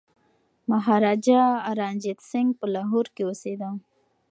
مهاراجا رنجیت سنګ په لاهور کي اوسېده.